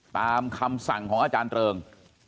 ตามคำสั่งของอาจารย์เริง